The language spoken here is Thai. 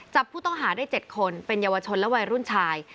จับผู้ต้องหาได้๗คนเป็นเยาวชนและวัยรุ่นชาย